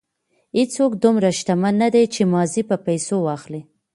هېڅوک دومره شتمن نه دی چې ماضي په پیسو واخلي.